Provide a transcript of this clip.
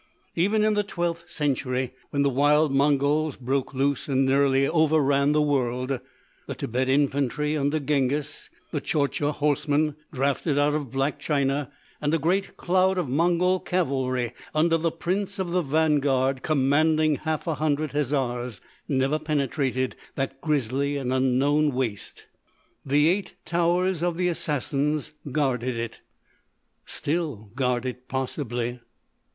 Even in the twelfth century, when the wild Mongols broke loose and nearly overran the world, the Tibet infantry under Genghis, the Tchortcha horsemen drafted out of Black China, and a great cloud of Mongol cavalry under the Prince of the Vanguard commanding half a hundred Hezars, never penetrated that grisly and unknown waste. The "Eight Towers of the Assassins" guarded it—still guard it, possibly.